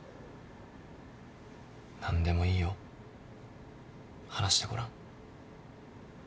何でもいいよ話してごらん。